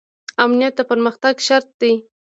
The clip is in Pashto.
امنیت د پرمختګ شرط دی